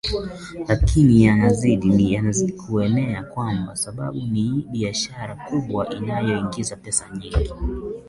lakini yanazidi kuenea kwa sababu ni biashara kubwa inayoingiza pesa nyingi